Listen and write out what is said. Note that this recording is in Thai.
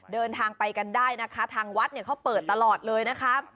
เดินทางไปกันได้นะคะทางวัดเนี่ยเขาเปิดตลอดเลยนะคะ